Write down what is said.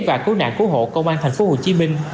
và cứu nạn cứu hộ công an thành phố hồ chí minh